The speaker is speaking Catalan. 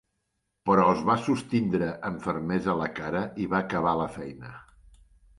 Però es va sostindre amb fermesa la cara i va acabar la feina.